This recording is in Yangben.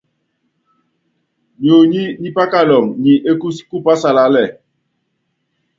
Nyonyí nyí pákaluŋo nyi ékúúsí kú pásalálɛ́.